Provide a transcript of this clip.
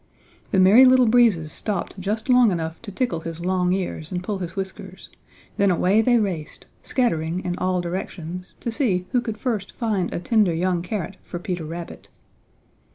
The Merry Little Breezes stopped just long enough to tickle his long ears and pull his whiskers, then away they raced, scattering in all directions, to see who could first find a tender young carrot for Peter Rabbit.